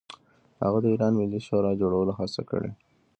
هغه د ایران ملي شورا جوړولو هڅه کړې.